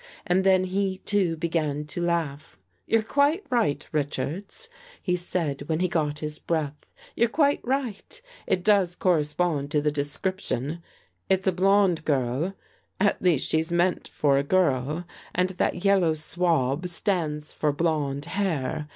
And then he, too, began to laugh. " You're quite right, Richards," he said when he got his breath. " You're quite right. It does cor respond to the description. It's a blonde girl — at least she's meant for a girl — and that yellow swab stands for blonde hair.